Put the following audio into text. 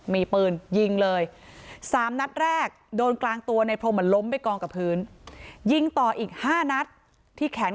มีปืนยิงเลย๓นัดแรกโดนกลางตัวในพรมมันล้มไปกองกับพื้น